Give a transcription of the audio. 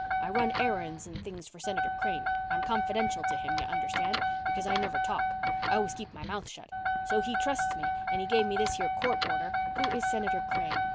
I run errands and things for Senator Crane. I'm confidential to him, you understand, because I never talk. I always keep my mouth shut. So he trusts me and he gave me this here court order " "Who is Senator Crane?"